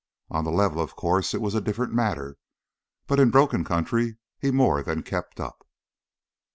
On the level, of course, it was a different matter, but in broken country he more than kept up.